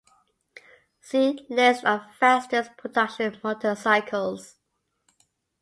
"See List of fastest production motorcycles".